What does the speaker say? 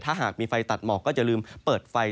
ถ้าหากมีไฟตัดหมอกก็จะลืมเปิดไฟ